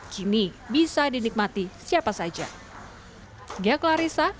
kini bisa dinikmati siapa saja